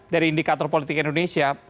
dari indikator politik indonesia